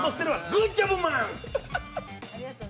グッジョブマン！